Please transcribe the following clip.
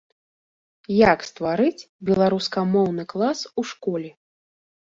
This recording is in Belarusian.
Як стварыць беларускамоўны клас у школе.